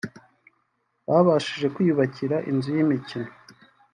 bababashije kwyubakira inzu y’imikino